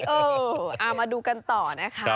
เออเอามาดูกันต่อนะคะ